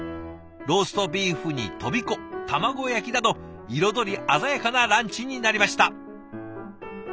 ローストビーフにとびこ卵焼きなど彩り鮮やかなランチになりました。